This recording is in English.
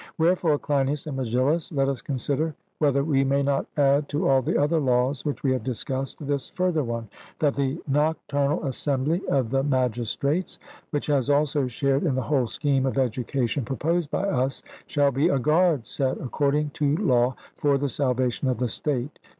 Wherefore, Cleinias and Megillus, let us consider whether we may not add to all the other laws which we have discussed this further one that the nocturnal assembly of the magistrates, which has also shared in the whole scheme of education proposed by us, shall be a guard set according to law for the salvation of the state.